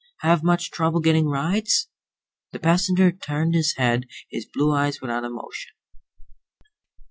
"Have much trouble getting rides?" The passenger turned his head, his blue eyes without emotion.